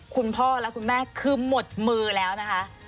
คุณพ่อและคุณแม่คือหมดมือแล้วนะคะ